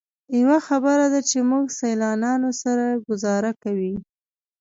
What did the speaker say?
یوه خبره ده چې موږ سیلانیانو سره ګوزاره کوئ.